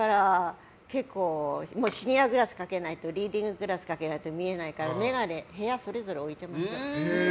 結構シニアグラスかけないとリーディンググラスかけないと見えないから眼鏡、部屋それぞれに置いてます。